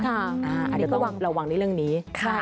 อาจจะต้องระวังในเรื่องนี้